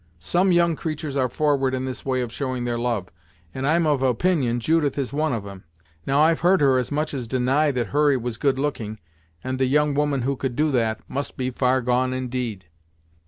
Some young creatur's are forward in this way of showing their love, and I'm of opinion Judith is one of 'em. Now, I've heard her as much as deny that Hurry was good looking, and the young woman who could do that, must be far gone indeed!"